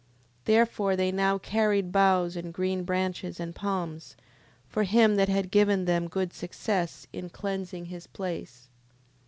10:7. Therefore they now carried boughs and green branches and palms, for him that had given them good success in cleansing his place.